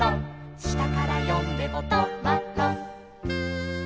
「したからよんでもト・マ・ト」